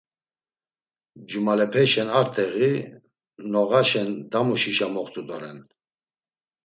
Cumalepeşen arteǧi, noǧaşen damuşişa moxtu doren.